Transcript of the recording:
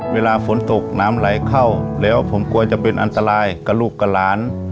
เวลาฝนตกน้ำไหลเข้าแล้วผมกลัวจะเป็นอันตรายกับลูกกับหลาน